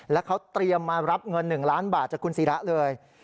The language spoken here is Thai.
แล้วเขาเตรียมมารับเงิน๑ล้านบาทจากคุณศิระเลย